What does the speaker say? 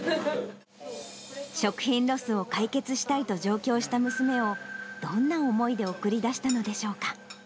食品ロスを解決したいと、上京した娘を、どんな思いで送り出したのでしょうか。